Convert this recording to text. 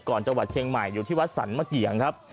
ก่อนจังหวัดเชียงใหม่อยู่ที่วัดสันมัฏเหยียงครับ